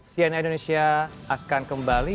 cnn indonesia akan kembali